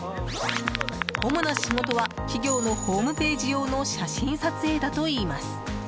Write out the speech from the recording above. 主な仕事は企業のホームページ用の写真撮影だといいます。